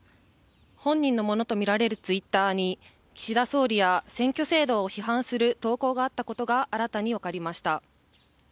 本人のものとみられるツイッターに岸田総理や選挙制度を批判する投稿があったことが新たにわかりました。